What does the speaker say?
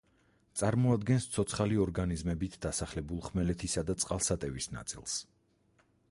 წარმოადგენს ცოცხალი ორგანიზმებით დასახლებულ ხმელეთისა და წყალსატევის ნაწილს.